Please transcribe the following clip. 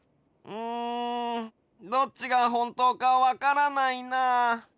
うんどっちがホントかわからないな。